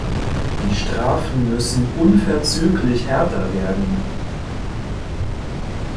Die Strafen müssen unverzüglich härter werden.